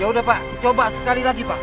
yaudah pak coba sekali lagi pak